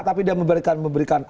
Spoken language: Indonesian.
tapi dia memberikan